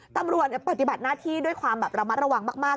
ตำรวจปฏิบัติหน้าที่ด้วยความแบบระมัดระวังมาก